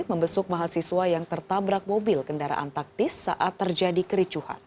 membesuk mahasiswa yang tertabrak mobil kendaraan taktis saat terjadi kericuhan